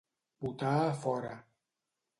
Botar a fora.